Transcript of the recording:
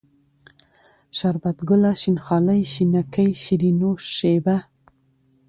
شربت گله ، شين خالۍ ، شينکۍ ، شيرينو ، شېبه